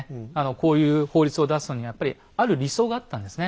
こういう法律を出すのにはやっぱりある理想があったんですね。